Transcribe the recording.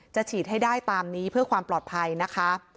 ฉีดให้ได้ตามนี้เพื่อความปลอดภัยนะคะ